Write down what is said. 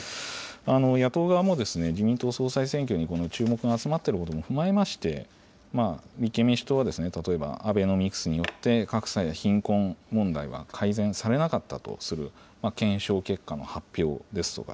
野党側も、自民党総裁選挙に注目が集まっていることも踏まえまして、立憲民主党は、例えばアベノミクスによって、格差や貧困問題が改善されなかったとする検証結果の発表ですとか、